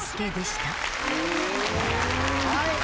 はい。